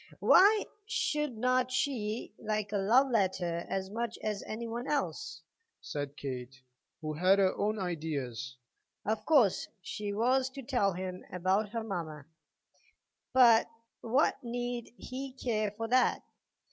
"Why should not she like a love letter as much as any one else?" said Kate, who had her own ideas. "Of course she has to tell him about her mamma, but what need he care for that?